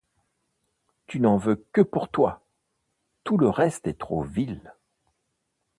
Tu n’en veux que pour toi ! tout le reste est trop vil.